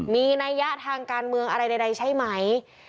มีนัยยะทางการเมืองอะไรใดใช่ไหม